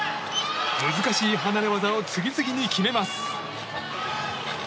難しい離れ技を次々に決めます。